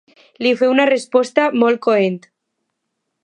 Li feu una resposta molt coent.